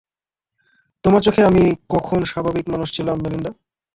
তোমার চোখে আমি কখন স্বাভাবিক মানুষ ছিলাম, মেলিন্ডা?